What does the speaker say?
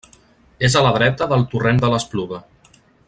És a la dreta del torrent de l'Espluga.